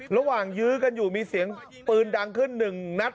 ยื้อกันอยู่มีเสียงปืนดังขึ้นหนึ่งนัด